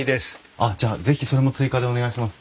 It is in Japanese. あっじゃあ是非それも追加でお願いします。